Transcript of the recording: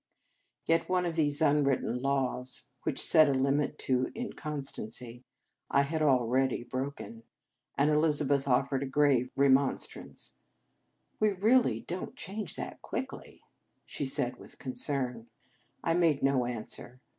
Yet one of these unwritten laws which set a limit to inconstancy I had already broken; and Elizabeth, who was an authority on the code, offered a grave remonstrance. " We really don t change that quickly," she said with concern. I made no answer.